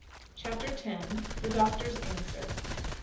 CHAPTER X. THE DOCTOR'S ANSWER.